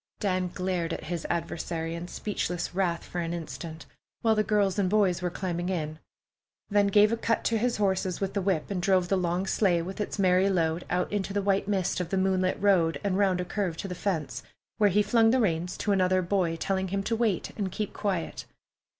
Dan glared at his adversary in speechless wrath for an instant, while the girls and boys were climbing in, then gave a cut to his horses with the whip and drove the long sleigh with its merry load out into the white mist of the moonlit road and round a curve to the fence, where he flung the reins to another boy, telling him to wait and keep quiet.